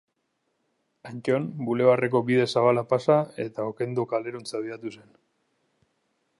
Antton, bulebarreko bide zabala pasa, eta Okendo kaleruntz abiatu zen.